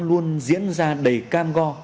luôn diễn ra đầy cam go